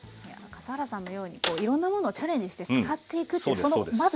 笠原さんのようにいろんなものをチャレンジして使っていくってそのまずね。